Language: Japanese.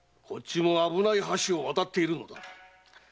こっちも危ない橋を渡っているのだ。